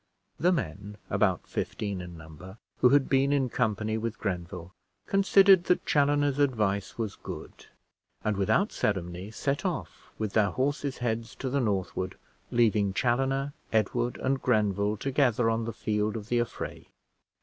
The men, about fifteen in number, who had been in company with Grenville, considered that Chaloner's advice was good, and without ceremony set off, with their horses' heads to the northward, leaving Chaloner, Edward, and Grenville together on the field of the affray.